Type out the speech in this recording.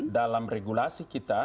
dalam regulasi kita